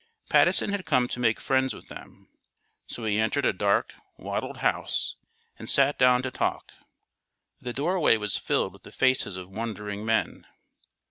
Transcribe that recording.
Patteson had come to make friends with them. So he entered a dark wattled house and sat down to talk. The doorway was filled with the faces of wondering men.